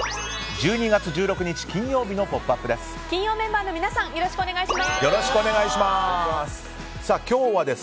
１２月１６日、金曜日の「ポップＵＰ！」です。